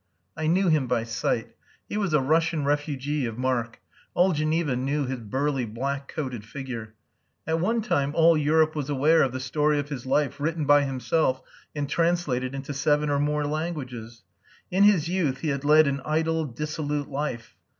I knew him by sight. He was a Russian refugee of mark. All Geneva knew his burly black coated figure. At one time all Europe was aware of the story of his life written by himself and translated into seven or more languages. In his youth he had led an idle, dissolute life.